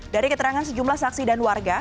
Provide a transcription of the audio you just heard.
dari keterangan sejumlah saksi dan warga